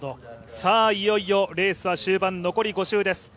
いよいよレースは終盤、残り５周です。